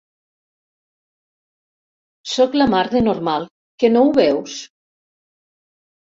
Sóc la mar de normal, que no ho veus?